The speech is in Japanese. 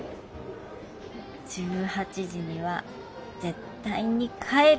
１８時には絶対に帰る。